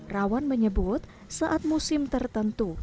rawan menyebut saat musim tertentu